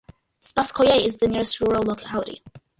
Spasskoye is the nearest rural locality.